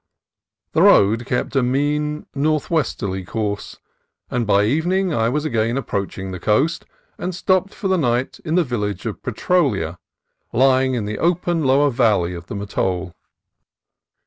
The road kept a mean northwesterly course, and by evening I was again approaching the coast, and stopped for the night at the village of Petrolia, lying in the open lower valley of the Mattole.